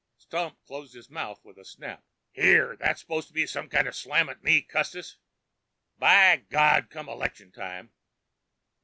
Stump closed his mouth with a snap. "Here, that s'posed to be some kind of slam at me, Custis? By God, come election time...."